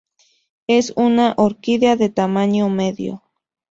Es una orquídea de tamaño medio.